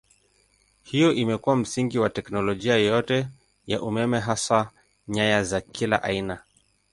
Hivyo imekuwa msingi wa teknolojia yote ya umeme hasa nyaya za kila aina.